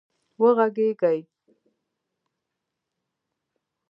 وږغېږئ